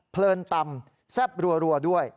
เพลินตำแซ่บรัวด้วย